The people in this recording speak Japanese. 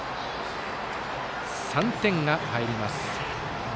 ３点が入ります。